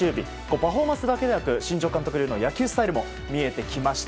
パフォーマンスだけではなく新庄監督の野球スタイルも見えてきました。